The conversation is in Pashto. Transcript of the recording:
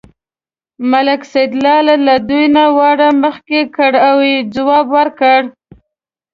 ملک سیدلال له دوی نه وار مخکې کړ او یې ځواب ورکړ.